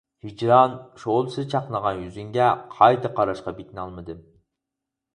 «ھىجران» شولىسى چاقنىغان يۈزۈڭگە قايتا قاراشقا پېتىنالمىدىم.